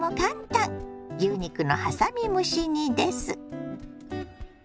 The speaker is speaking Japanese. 牛肉のはさみ蒸し煮です。